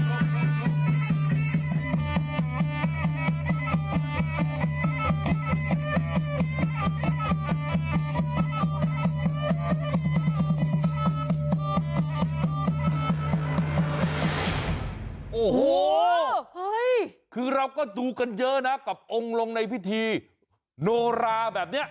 โอ้โหคือเราก็ดูกันเยอะนะกับองค์ลงในพิธีโนราแบบนี้